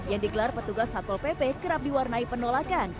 yang digelar petugas satpol pp kerap diwarnai penolakan